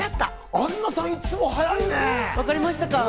アンナさん、いつも早いね。